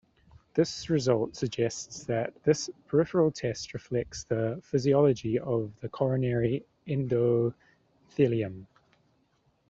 This results suggests that this peripheral test reflects the physiology of the coronary endothelium.